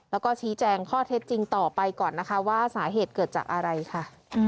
แล้วก็ชี้แจงข้อเท็จจริงต่อไปก่อนนะคะว่าสาเหตุเกิดจากอะไรค่ะ